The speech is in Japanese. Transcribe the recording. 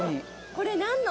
これ何の？